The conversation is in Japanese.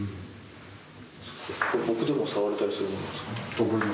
僕でも触れたりするんですか？